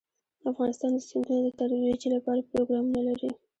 افغانستان د سیندونه د ترویج لپاره پروګرامونه لري.